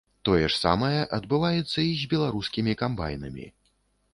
Тое ж самае адбываецца і з беларускімі камбайнамі.